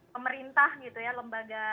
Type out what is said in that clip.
pemerintah gitu ya lembaga